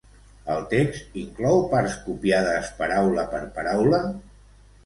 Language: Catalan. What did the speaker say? El text inclou parts copiades paraula per paraula?